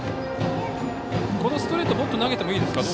このストレートもっと投げてもいいでしょうか。